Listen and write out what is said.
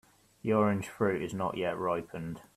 The orange fruit is not yet ripened.